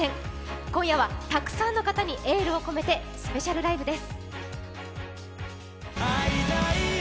今夜はたくさんの方にエールを込めて、スペシャルライブです。